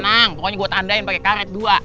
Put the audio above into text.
tenang pokoknya gua tandain pake karet dua